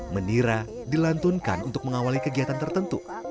menira dilantunkan untuk mengawali kegiatan tertentu